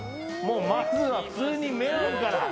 まずは普通にメロンから。